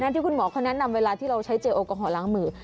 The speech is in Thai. ที่คุณหมอเขาแนะนำเวลาที่เราใช้เจลแอลกอฮอลล้างมือ